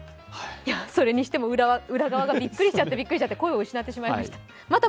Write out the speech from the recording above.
それにしても、裏側が、びっくりしちゃって、声を失ってしまいました。